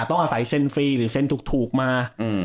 ต้องอาศัยเซ็นฟรีหรือเซ็นถูกมา